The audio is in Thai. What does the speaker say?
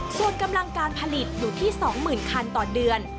ส่วนกำลังการผลิตอยู่ที่๒๐๐๐คันต่อเดือน